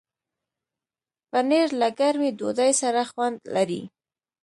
پنېر له ګرمې ډوډۍ سره خوند لري.